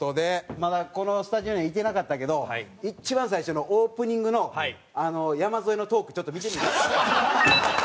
まだこのスタジオにはいてなかったけど一番最初のオープニングの山添のトークちょっと見てみる？